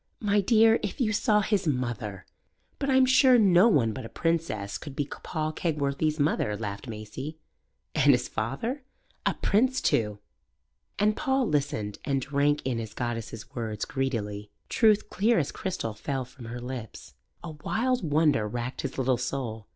"My dear, if you saw his mother!" "But I'm sure no one but a princess could be Paul Kegworthy's mother," laughed Maisie. "And his father?" "A prince too!" And Paul listened and drank in his goddess's words greedily. Truth clear as crystal fell from her lips. A wild wonder racked his little soul.